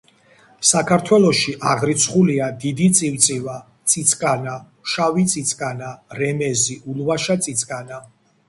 საქართველოში აღრიცხულია დიდი წივწივა, წიწკანა, შავი წიწკანა, რემეზი, ულვაშა წიწკანა.